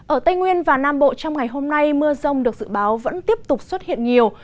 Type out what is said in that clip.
ở tây nguyên và nam bộ trong ngày hôm nay mưa rông được dự báo vẫn tiếp tục xuất hiện nhiều